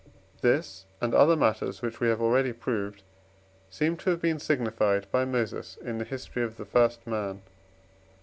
This, and other matters which we have already proved, seem to have been signifieded by Moses in the history of the first man.